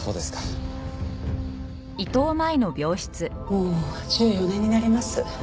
もう１４年になります。